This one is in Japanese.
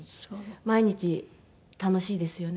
毎日楽しいですよね。